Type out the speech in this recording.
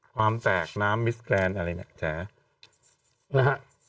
ความแตกน้ำมิสแกรนแหละ